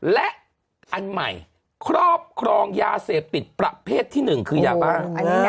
และอันใหม่ครอบครองยาเสพติดประเภทที่๑คือยาบ้า